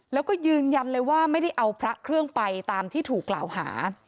แล้วก็ยืนยันเลยว่าไม่ได้เอาพระเครื่องไปตามที่ถูกกล่าวหา